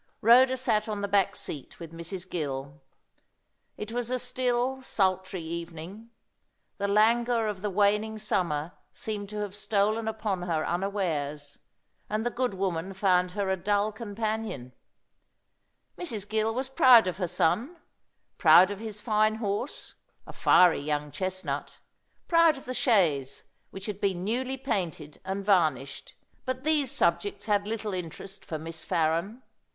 Rhoda sat on the back seat with Mrs. Gill. It was a still, sultry evening. The languor of the waning summer seemed to have stolen upon her unawares, and the good woman found her a dull companion. Mrs. Gill was proud of her son, proud of his fine horse, a fiery young chestnut, proud of the chaise, which had been newly painted and varnished. But these subjects had little interest for Miss Farren.